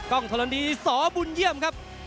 กล้องธรณีสบุญเยี่ยมครับ